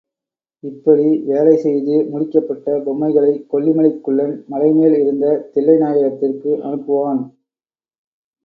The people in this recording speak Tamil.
இப்படி வேலை செய்து முடிக்கப்பட்ட பொம்மைகளைக் கொல்லிமலைக் குள்ளன் மலை மேல் இருந்த தில்லைநாயகத்திற்கு அனுப்புவான்.